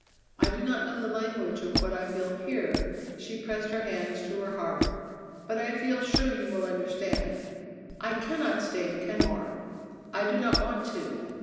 I do not know the language of what I feel here" she pressed her hands to her heart "but I feel sure you will understand. I cannot stay in Kenmore! I do not want to.